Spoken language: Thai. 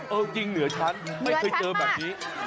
เอาจริงเหลือฉันไม่เคยเจอแบบนี้